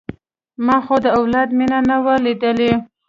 ما خو د اولاد مينه نه وه ليدلې.